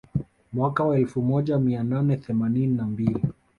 Mwaka wa elfu moja mia nane themanini na mbili